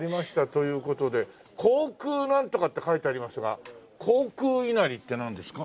という事で航空なんとかって書いてありますが航空稲荷ってなんですか？